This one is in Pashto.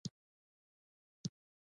د مکې شګلنه دښته او نیمه تیاره ماحول و.